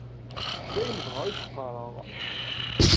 D ayen dɣa i d-qqareɣ.